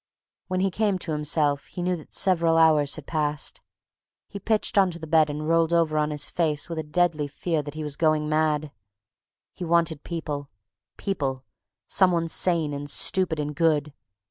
When he came to himself he knew that several hours had passed. He pitched onto the bed and rolled over on his face with a deadly fear that he was going mad. He wanted people, people, some one sane and stupid and good.